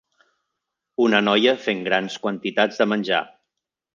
Una noia fent grans quantitats de menjar.